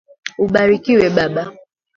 Ubarikiwe baba.